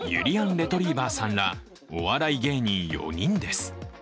レトリィバァさんらお笑い芸人４人です。